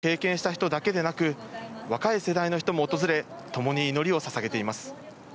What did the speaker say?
会場には震災を経験した人だけでなく、若い世代の人も訪れ、ともに祈りをささげています。